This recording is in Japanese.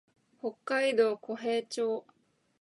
北海道古平町